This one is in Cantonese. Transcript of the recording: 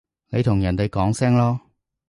你同人哋講聲囉